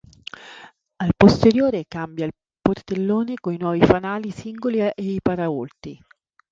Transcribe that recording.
Al posteriore cambia il portellone con nuovi fanali singoli e i paraurti.